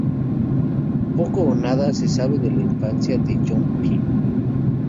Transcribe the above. Poco o nada se sabe de la infancia de John Pym.